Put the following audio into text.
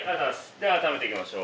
では改めていきましょう。